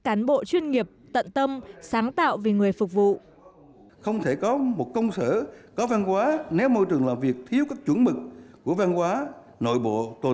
cán bộ chuyên nghiệp tận tâm sáng tạo vì người phục vụ